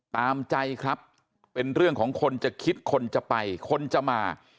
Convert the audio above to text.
ตามใจครับเป็นเรื่องของคนจะคิดคนจะไปคนจะมา